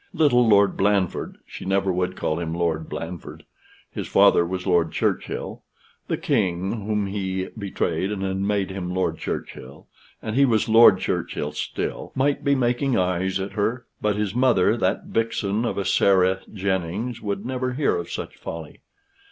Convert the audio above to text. Little Lord Blandford (she never would call him Lord Blandford; his father was Lord Churchill the King, whom he betrayed, had made him Lord Churchill, and he was Lord Churchill still) might be making eyes at her; but his mother, that vixen of a Sarah Jennings, would never hear of such a folly.